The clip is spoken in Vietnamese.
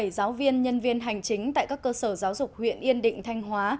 sáu trăm bốn mươi bảy giáo viên nhân viên hành chính tại các cơ sở giáo dục huyện yên định thanh hóa